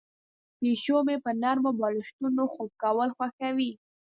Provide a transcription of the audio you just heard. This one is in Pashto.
پیشو مې په نرمو بالښتونو خوب کول خوښوي.